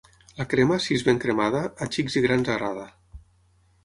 La crema, si és ben cremada, a xics i grans agrada.